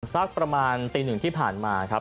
สักประมาณตีหนึ่งที่ผ่านมาครับ